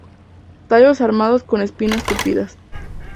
Tallos armados con espinas tupidas.